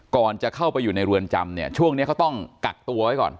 ก่อนจะเข้าไปอยู่ในเรือนจำเนี่ยช่วงนี้เขาต้องกักตัวไว้ก่อน